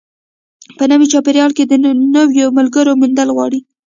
په نوي چاپېریال کې د نویو ملګرو موندل غواړي.